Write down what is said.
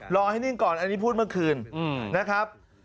รอให้นิ่งก่อนอันนี้พูดเมื่อคืนนะครับ